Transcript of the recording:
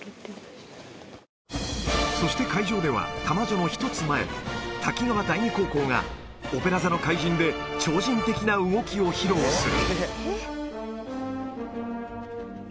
そして会場では、玉女の１つ前、滝川第二高校が、オペラ座の怪人で、超人的な動きを披露する。